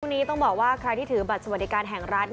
นี้ต้องบอกว่าใครที่ถือบัตรสวัสดิการแห่งรัฐ